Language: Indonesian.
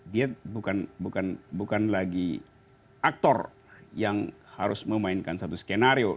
dia bukan lagi aktor yang harus memainkan satu skenario